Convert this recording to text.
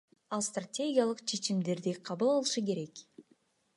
Ал стратегиялык чечимдерди кабыл алышы керек.